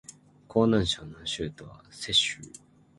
河南省の省都は鄭州